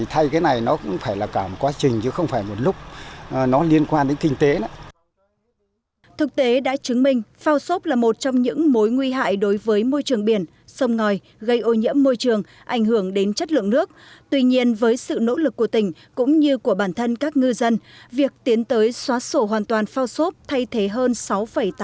nói đến nay thì phải nói là trong hợp tác xã thì phải đến chín mươi phần trăm là đã chuyển đổi thực tế đã chứng minh phao xốp là một trong những mối nguy hại đối với môi trường biển sông ngòi gây ô nhiễm môi trường ảnh hưởng đến chất lượng nước tuy nhiên với sự nỗ lực của tỉnh cũng như của bản thân các ngư dân việc tiến tới xóa sổ hoàn toàn phao xốp là một trong những mối nguy hại đối với môi trường biển sông ngòi gây ô nhiễm môi trường ảnh hưởng đến chất lượng nước